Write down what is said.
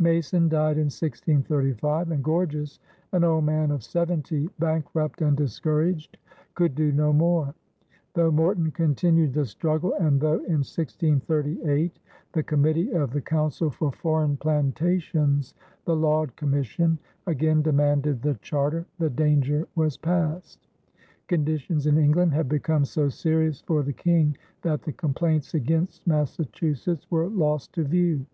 Mason died in 1635, and Gorges, an old man of seventy, bankrupt and discouraged, could do no more. Though Morton continued the struggle, and though, in 1638, the Committee of the Council for Foreign Plantations (the Laud Commission) again demanded the charter, the danger was past: conditions in England had become so serious for the King that the complaints against Massachusetts were lost to view.